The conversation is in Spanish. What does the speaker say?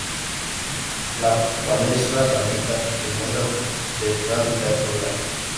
La palestra Samnita se encuentra detrás del Teatro Grande.